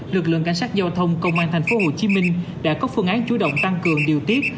lực lượng cảnh sát giao thông công an tp hcm đã có phương án chủ động tăng cường điều tiết